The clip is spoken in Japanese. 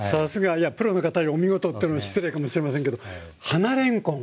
いやプロの方がお見事ってのも失礼かもしれませんけど花れんこん。